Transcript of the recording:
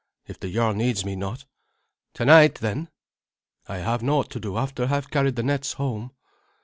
"If the jarl needs me not." "Tonight, then?" "I have naught to do after I have carried the nets home."